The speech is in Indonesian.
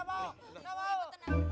gapapa umi gak mau